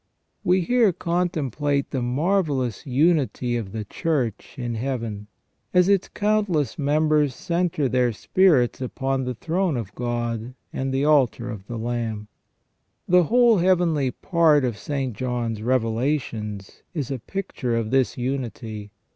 We here contemplate the marvellous unity of the Church in Heaven, as its countless members centre their spirits upon the throne of God and the altar of the Lamb. The whole heavenly part of St. John's Revelations is a picture of this unity.